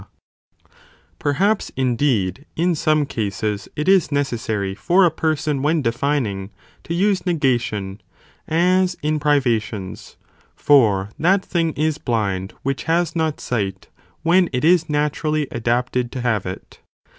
*| ati Perhaps, indeed, in some cases it is necessary fur a person when defining, to use negation, as in privations, for that thing is blind which has not oe sight, when it is naturally adapted to have it.